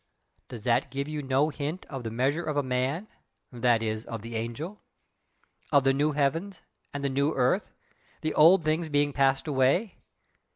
Does that give you no hint of the measure of a man, that is, of the Angel? of the 'new heavens and the new earth,' the old things being passed away?